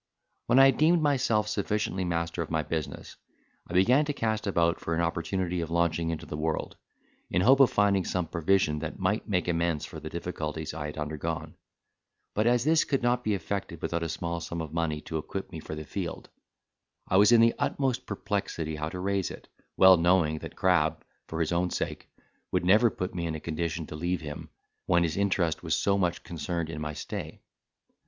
When I deemed myself sufficiently master of my business I began to cast about for an opportunity of launching into the world, in hope of finding some provision that might make amends for the difficulties I had undergone; but, as this could not be effected without a small sum of money to equip me for the field, I was in the utmost perplexity how to raise it, well knowing that Crab, for his own sake, would never put me in a condition to leave him, when his interest was so much concerned in my stay.